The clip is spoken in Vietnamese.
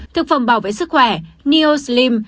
thực phẩm bảo vệ sức khỏe neo slim